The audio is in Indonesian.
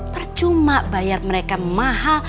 percuma bayar mereka mahal